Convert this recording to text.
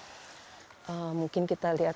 tanaman yang digunakan adalah perut